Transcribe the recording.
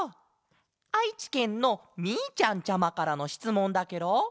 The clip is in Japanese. あいちけんのみーちゃんちゃまからのしつもんだケロ。